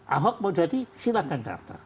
ahok mau jadi silahkan daftar